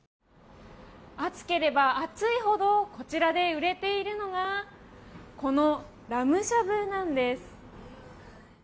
暑ければ暑いほどこちらで売れているのがこのラムしゃぶなんです。